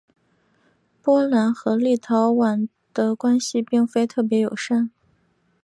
波兰和立陶宛的关系并非特别友善。